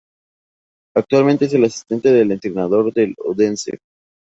Actualmente es el asistente del entrenador del Odense.